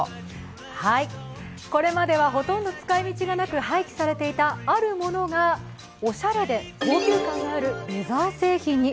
これまでは、ほとんど使い道がなく廃棄されていたあるものが、おしゃれで高級感のあるレザー製品に。